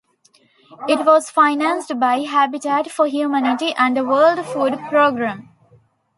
It was financed by Habitat for Humanity and the World Food Program.